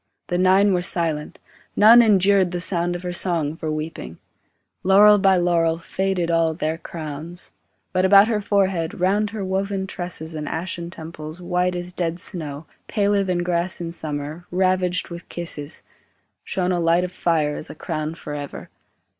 the nine were silent, None endured the sound of her song for weeping; Laurel by laurel, Faded all their crowns; but about her forehead, Round her woven tresses and ashen temples White as dead snow, paler than grass in summer, Ravaged with kisses, Shone a light of fire as a crown for ever.